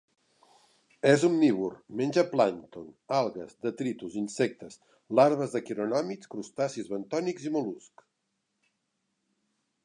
És omnívor: menja plàncton, algues, detritus, insectes, larves de quironòmids, crustacis bentònics i mol·luscs.